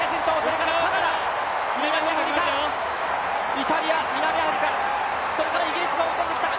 イタリア、南アフリカ、イギリスが追い込んできたか。